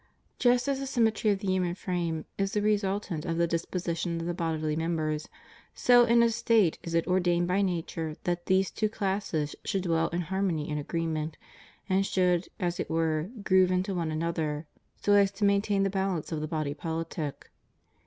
Just as the symmetry of the human frame is the resultant of the disposition of the bodily members, so in a State is it or dained by nature that these two classes should dwell in harmony and agreement, and should, as it were, groove into one another, so as to maintain the balance of the body politic.